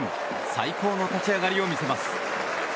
最高の立ち上がりを見せます。